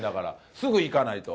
すぐいかないと。